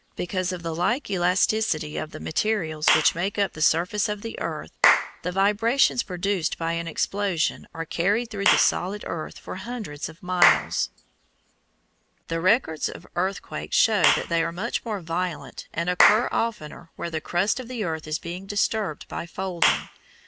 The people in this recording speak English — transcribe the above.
Because of like elasticity in the materials which make up the surface of the earth, the vibrations produced by an explosion are carried through the solid earth for hundreds of miles. [Illustration: FIG. 20. EARTHQUAKE FISSURES NEAR MONO LAKE, CALIFORNIA] The records of earthquakes show that they are much more violent and occur oftener where the crust of the earth is being disturbed by folding.